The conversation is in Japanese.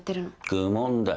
愚問だ。